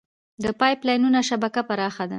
د پایپ لاینونو شبکه پراخه ده.